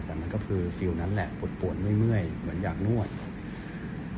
แต่มันก็คือฟิลล์นั้นแหละปวดปวดเมื่อยเมื่อยเหมือนอยากนวด